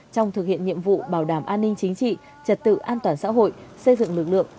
trong thực hiện nhiệm vụ bảo đảm an ninh chính trị trật tự an toàn xã hội xây dựng lực lượng